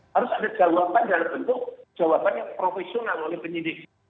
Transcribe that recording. harus ada jawaban dalam bentuk jawabannya profesional oleh penyidik